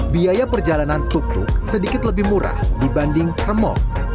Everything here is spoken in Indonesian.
biaya perjalanan tuk tuk sedikit lebih murah dibanding remuk